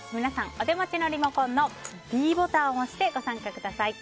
お手持ちのリモコンのｄボタンを押して投票にご参加ください。